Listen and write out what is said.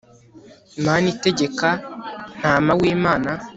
mana itegeka, ntama w'imana